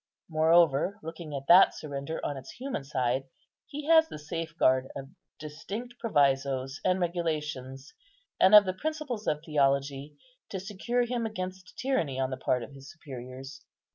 Moreover, looking at that surrender on its human side, he has the safeguard of distinct provisos and regulations, and of the principles of theology, to secure him against tyranny on the part of his superiors.